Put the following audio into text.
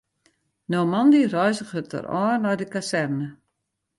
No moandei reizget er ôf nei de kazerne.